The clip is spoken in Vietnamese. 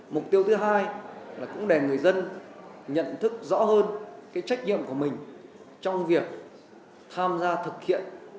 mục tiêu thứ hai là cũng để người dân nhận thức rõ hơn cái trách nhiệm của mình trong việc tham gia thực hiện